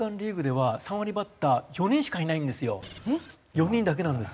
４人だけなんです